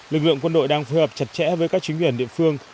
lực lượng quân đội đang phối hợp chặt chẽ với các chính quyền địa phương